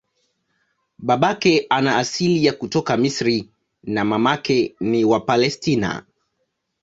Babake ana asili ya kutoka Misri na mamake ni wa Palestina.